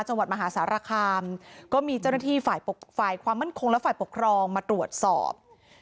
มหาสารคามก็มีเจ้าหน้าที่ฝ่ายความมั่นคงและฝ่ายปกครองมาตรวจสอบ